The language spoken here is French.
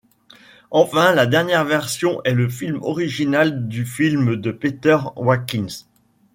Enfin la dernière version est le film original du film de Peter Watkins.